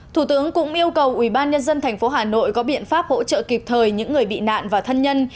thủ tướng cũng yêu cầu ủy ban nhân dân thành phố hà nội có biện pháp hỗ trợ kịp thời những người bị nạn và thân nhân